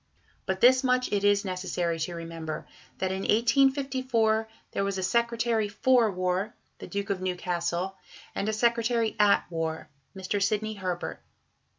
But this much it is necessary to remember, that in 1854 there was a Secretary for War (the Duke of Newcastle) and a Secretary at War (Mr. Sidney Herbert).